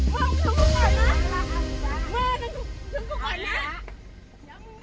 ว้าวน้องกูน้องกูหม่อยนะ